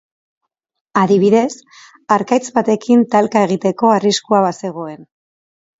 Adibidez, harkaitz batekin talka egiteko arriskua bazegoen.